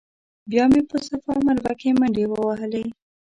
بیا مې په صفا مروه کې منډې ووهلې.